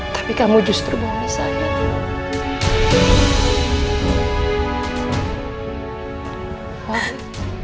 tapi kamu justru memisahkan